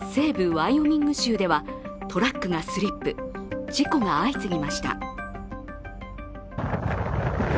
ワイオミング州ではトラックがスリップ、事故が相次ぎました。